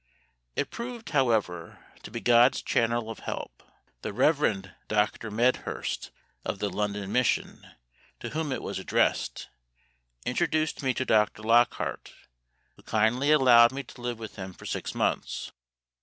It proved, however, to be GOD's channel of help. The Rev. Dr. Medhurst, of the London Mission, to whom it was addressed, introduced me to Dr. Lockhart, who kindly allowed me to live with him for six months.